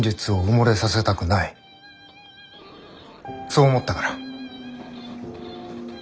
そう思ったから。